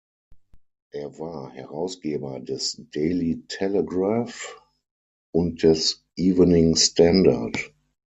Er war Herausgeber des "Daily Telegraph" und des "Evening Standard".